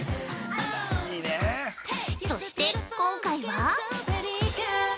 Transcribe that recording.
そして今回は。